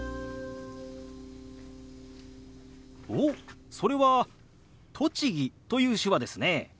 おっそれは「栃木」という手話ですね。